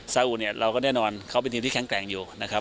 ซาอุเนี่ยเราก็แน่นอนเขาเป็นทีมที่แข็งแกร่งอยู่นะครับ